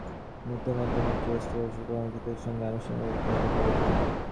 মধ্য ম্যানহাটনের একটি রেস্তোরাঁয়, স্বল্পসংখ্যক অতিথিদের সঙ্গে অনানুষ্ঠানিকভাবে তিনি কথা বলবেন।